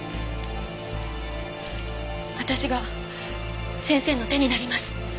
私が先生の手になります。